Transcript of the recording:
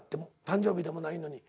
誕生日でもないのに。